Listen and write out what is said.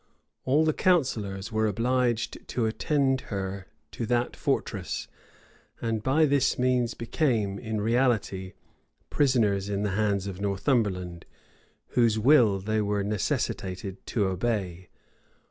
All the counsellors were obliged to attend her to that fortress; and by this means became, in reality, prisoners in the hands of Northumberland, whose will they were necessitated to obey.